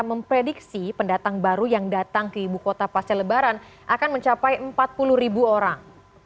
memprediksi pendatang baru yang datang ke ibu kota pasca lebaran akan mencapai empat puluh ribu orang